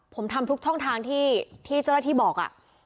ผมทำทุกช่องทางที่เจ้าหน้าที่บอก